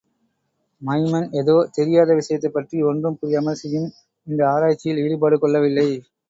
Maiman எதோ தெரியாத விஷயத்தைப்பற்றி ஒன்றும் புரியாமல் செய்யும் இந்த ஆராய்ச்சியில் ஈடுபாடு கொள்ளவில்லை.